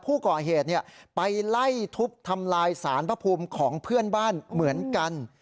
ผู้ก่อเหตุไปไล่ทุบทำลายสารพระภูมิของเพื่อนบ้านเหมือนกัน